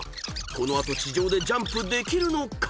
［この後地上でジャンプできるのか？］